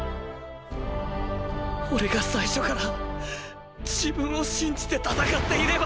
オレが最初から自分を信じて戦っていれば。